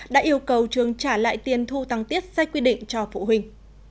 đã yêu cầu trường trả lại tiền thu tăng tiết sai quy định cho phụ huynh